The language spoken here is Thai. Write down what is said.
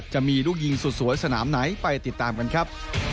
จะมีลูกยิงสุดสวยสนามไหนไปติดตามกันครับ